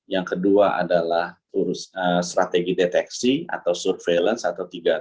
yang kedua adalah strategi deteksi atau surveillance atau tiga t